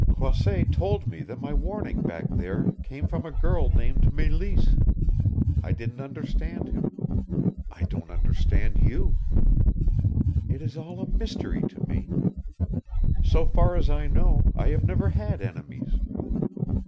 Croisset told me that my warning back there came from a girl named Meleese. I didn't understand him. I don't understand you. It is all a mystery to me. So far as I know I have never had enemies.